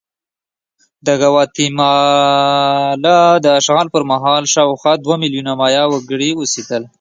د ګواتیمالا د اشغال پر مهال شاوخوا دوه میلیونه مایا وګړي اوسېدل.